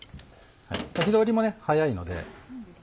火通りも早いので。